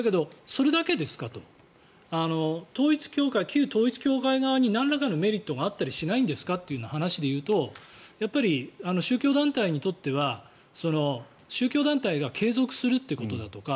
旧統一教会側になんらかのメリットがあったりしないんですかという話でいうとやっぱり宗教団体にとっては宗教団体が継続するということだとか